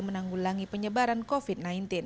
menanggulangi penyebaran covid sembilan belas